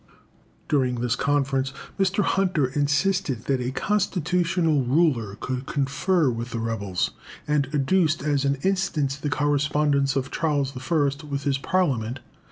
During this conference, Mr. Hunter insisted that a constitutional ruler could confer with rebels, and adduced as an instance the correspondence of Charles I. with his Parliament.